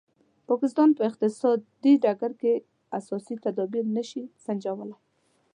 پاکستان په اقتصادي ډګر کې اساسي تدابیر نه شي سنجولای.